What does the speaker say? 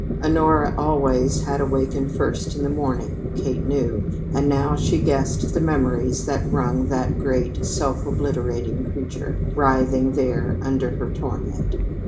Honora always had wakened first in the morning, Kate knew, and now she guessed at the memories that wrung that great, self obliterating creature, writhing there under her torment.